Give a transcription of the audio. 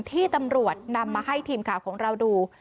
ที่ตำรวจนำมาให้ทีมข่าวของเราดู